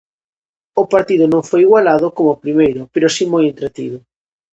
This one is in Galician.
O partido non foi igualado como o primeiro, pero si moi entretido.